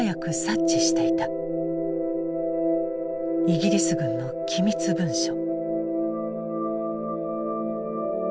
イギリス軍の機密文書。